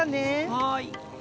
はい。